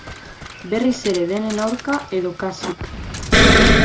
Berriz ere denen aurka, edo kasik.